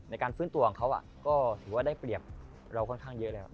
ในการฟื้นตัวของเขาก็ถือว่าได้เปรียบเราค่อนข้างเยอะแล้ว